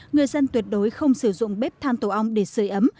người dân tuyệt đối không sử dụng bếp than tổ ong để sửa ấm